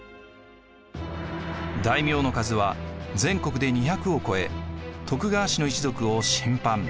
大名の数は全国で２００を超え徳川氏の一族を「親藩」